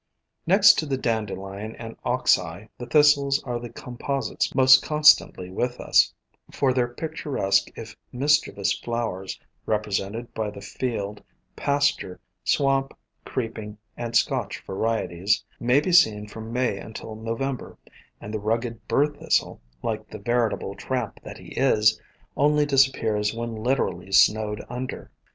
Next to the Dandelion and Ox eye, the Thistles are the Composites most constantly with us, for their picturesque if mischievous flowers, represented by the Field, Pasture, Swamp, Creeping, and Scotch 248 A COMPOSITE FAMILY varieties, nlay be seen from May until November, and the rugged Bur Thistle, like the veritable tramp that it is, only disappears when literally snowed under.